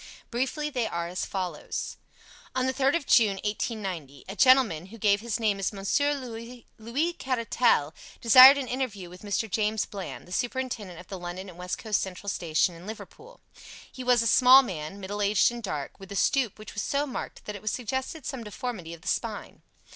Briefly, they are as follows: On the 3rd of June, 1890, a gentleman, who gave his name as Monsieur Louis Caratal, desired an interview with Mr. James Bland, the superintendent of the London and West Coast Central Station in Liverpool. He was a small man, middle aged and dark, with a stoop which was so marked that it suggested some deformity of the spine.